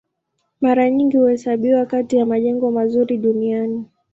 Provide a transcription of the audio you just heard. Mara nyingi huhesabiwa kati ya majengo mazuri duniani.